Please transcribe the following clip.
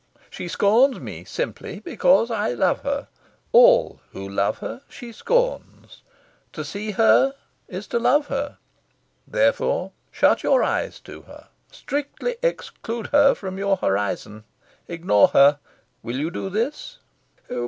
She scorns me simply because I love her. All who love her she scorns. To see her is to love her. Therefore shut your eyes to her. Strictly exclude her from your horizon. Ignore her. Will you do this?"